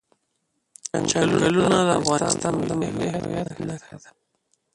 چنګلونه د افغانستان د ملي هویت نښه ده.